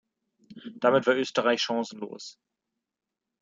Damit war Österreich chancenlos.